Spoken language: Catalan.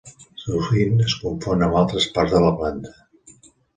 Sovint es confon amb altres parts de la planta.